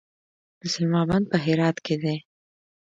د سلما بند په هرات کې دی